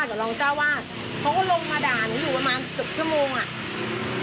รองเจ้าวาดเขาก็ลงมาด่าหนูอยู่ประมาณเกือบชั่วโมงอ่ะ